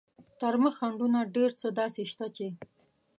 تر مخ خنډونه ډېر څه داسې شته چې.